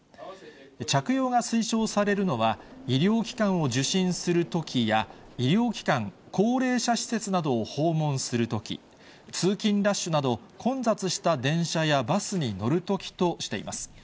着用が推奨されるのは、医療機関を受診するときや、医療機関、高齢者施設などを訪問するとき、通勤ラッシュなど、混雑した電車やバスに乗るときとしています。